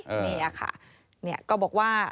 เนี้ยค่ะเนี้ยก็บอกว่า